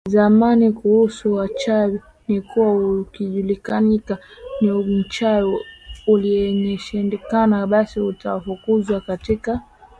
zamani kuhusu wachawi ni kuwa ukijulikana ni mchawi uliyeshindikana basi utafukuzwa katika utemitawala